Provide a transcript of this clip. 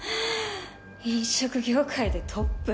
飲食業界でトップ？